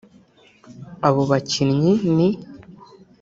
Abo bakinnyi ni